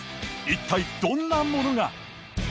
一体どんなものが？